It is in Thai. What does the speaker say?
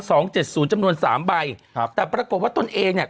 สองเจ็ดศูนย์จำนวนสามใบครับแต่ปรากฏว่าตนเองเนี้ย